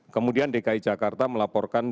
kemudian dki jakarta melaporkan